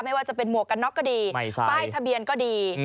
ไม่ว่าจะเป็นหมวกกันน็อกก็ดีป้ายทะเบียนก็ดี